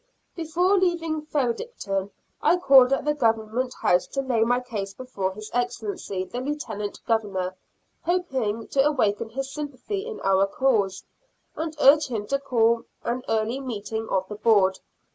Before leaving Fredericton, I called at the Government House to lay my case before His Excellency the Lieutenant Governor, hoping to awaken his sympathy in our cause, and urge him to call an early meeting of the Board.